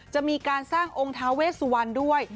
จะมีการสร้างองค์ท้าเวสวันด้วย